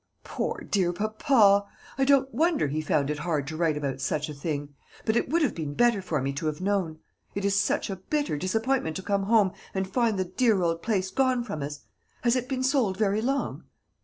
"Poor dear papa! I don't wonder he found it hard to write about such a thing; but it would have been better for me to have known. It is such a bitter disappointment to come home and find the dear old place gone from us. Has it been sold very long?"